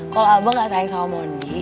kalau abah gak sayang sama mondi